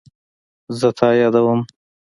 زه تا یادوم